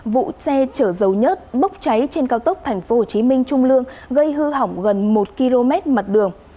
vụ xe chở dầu nhất bốc cháy trên cao tốc tp hcm trung lương gây hư hỏng gần một km mặt đường